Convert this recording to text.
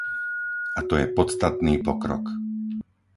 A to je podstatný pokrok!